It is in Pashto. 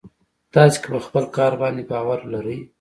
تاسې که په خپل کار باندې باور لرئ.